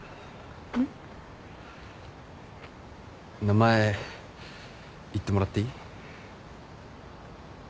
名前言ってもらっていい？